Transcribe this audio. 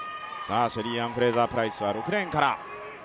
シェリーアン・フレイザー・プライスは６レーンから。